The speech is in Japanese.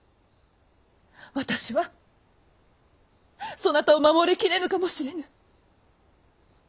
私はそなたを守りきれぬかもしれぬ！